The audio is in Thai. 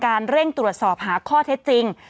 ดำเนินการเร่งตรวจสอบหาข้อเท็จจริง